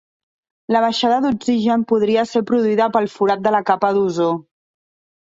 La baixada d'oxigen podria ser produïda pel forat de la capa d'ozó